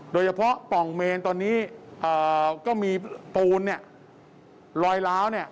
โดยเฉพาะปองเมนตอนนี้ก็มีปูนรอยล้าว